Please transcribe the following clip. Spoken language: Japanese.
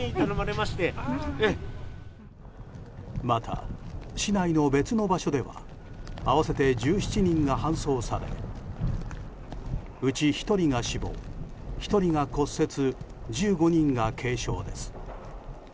また、市内の別の場所では合わせて１７人が搬送されうち１人が死亡、１人が骨折１５人が軽傷です。